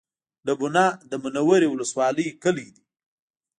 ډبونه د منورې ولسوالۍ کلی دی